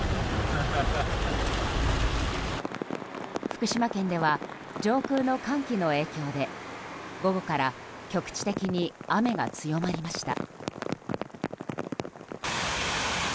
福島県では上空の寒気の影響で午後から局地的に雨が強まりました。